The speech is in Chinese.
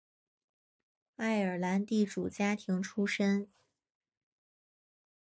爱尔兰地主家庭出身。